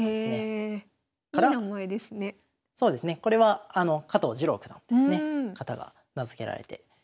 これは加藤治郎九段というね方が名付けられて。